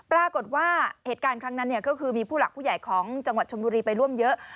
ปรากฏว่าเหตุการณ์ครั้งนั้นก็คือมีผู้หลักผู้ใหญ่ของจังหวัดชนบุรีไปร่วมเยอะ